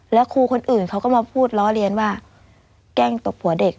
แล้วครูคนอื่นเขาก็มาพูดล้อเลียนว่าแกล้งตบหัวเด็ก